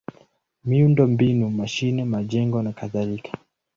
miundombinu: mashine, majengo nakadhalika.